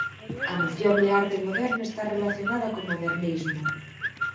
A noción de arte moderna está relacionada co modernismo.